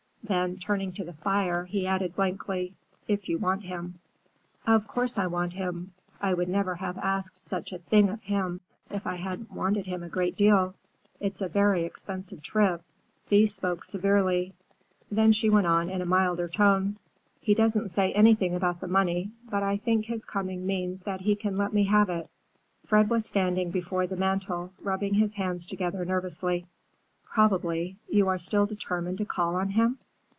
Then, turning to the fire, he added blankly, "If you want him." "Of course I want him. I would never have asked such a thing of him if I hadn't wanted him a great deal. It's a very expensive trip." Thea spoke severely. Then she went on, in a milder tone. "He doesn't say anything about the money, but I think his coming means that he can let me have it." Fred was standing before the mantel, rubbing his hands together nervously. "Probably. You are still determined to call on him?"